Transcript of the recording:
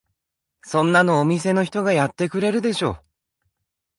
そんなのお店の人がやってくれるでしょ。